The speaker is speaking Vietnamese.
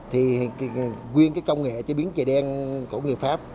thì nguyên cái công nghệ chế biến trà đen của người pháp